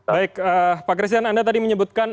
baik pak christian anda tadi menyebutkan